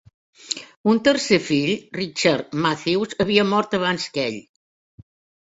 Un tercer fill, Richard Mathews, havia mort abans que ell.